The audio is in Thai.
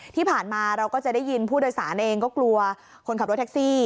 ที่ผ่านมาเราก็จะได้ยินผู้โดยสารเองก็กลัวคนขับรถแท็กซี่